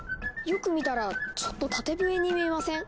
よく見たらちょっと縦笛に見えません？